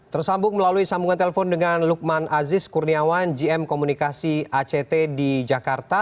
tersambung melalui sambungan telepon dengan lukman aziz kurniawan gm komunikasi act di jakarta